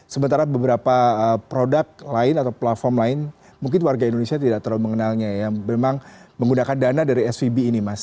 sementara beberapa produk lain atau platform lain mungkin warga indonesia tidak terlalu mengenalnya ya memang menggunakan dana dari svb ini mas